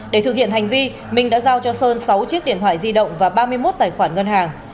để thực hiện hành vi minh đã giao cho sơn sáu chiếc điện thoại di động và ba mươi một tài khoản ngân hàng